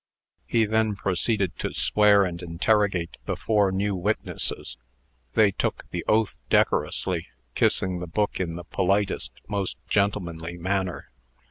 He then proceeded to swear and interrogate the four new witnesses. They took the oath decorously, kissing the book in the politest, most gentlemanly manner.